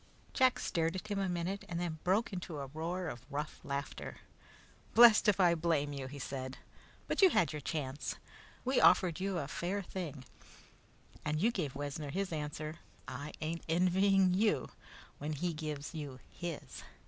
Jack stared at him a minute and then broke into a roar of rough laughter. "Blest if I blame you," he said. "But you had your chance! We offered you a fair thing and you gave Wessner his answer. I ain't envying you when he gives you his."